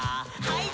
はい。